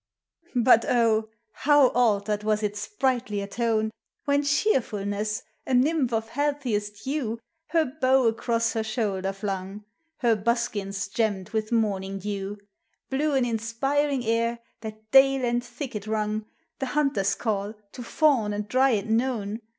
But O, how altered was its sprightlier tone When Cheerfulness, a nymph of healthiest hue, Her bow across her shoulder flung, Her buskins gemmed with morning dew, Blew an inspiring air, that dale and thicket rung, — The hunter's call, to faun and dryad known